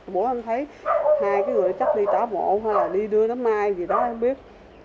mỗi lần thấy hai cái người chắc đi trả bộ hay là đi đưa tới mai gì đó không biết